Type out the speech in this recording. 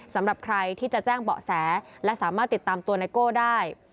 สำหรับใครที่จะแจ้งเบาะแสและสามารถติดตามตัวไนโก้ได้